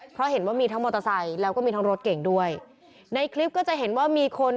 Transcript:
เพราะเห็นว่ามีทั้งมอเตอร์ไซค์แล้วก็มีทั้งรถเก่งด้วยในคลิปก็จะเห็นว่ามีคน